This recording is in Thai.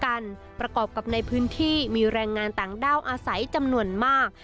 เพราะเป็นเหตุอุกชะกันประกอบกับในพื้นที่มีแรงงานต่างด้าวอาศัยจำนวนมาก